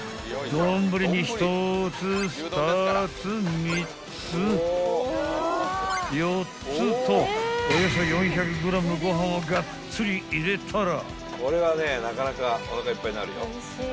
［丼に１つ２つ３つ４つとおよそ４００ｇのご飯をがっつり入れたら］